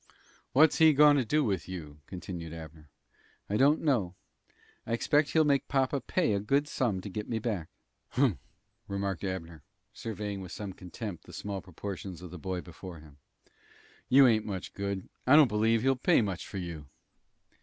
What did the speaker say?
"What's he goin' to do with you?" continued Abner. "I don't know. I expect he'll make papa pay a good sum to get me back." "Humph!" remarked Abner, surveying with some contempt the small proportions of the boy before him. "You ain't much good. I don't believe he'll pay much for you."